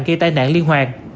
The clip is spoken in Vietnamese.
gây tai nạn liên hoàn